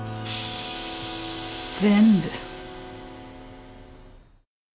全部。